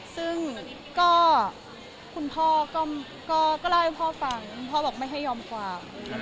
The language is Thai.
ซึ่งก็คุณพอก็ร้ายพ่อฟังพ่อบอกไม่ให้ยอมกวา